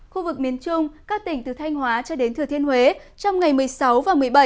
khu vực miền trung các tỉnh từ thanh hóa cho đến thừa thiên huế trong ngày một mươi sáu và một mươi bảy